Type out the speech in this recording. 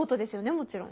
もちろん。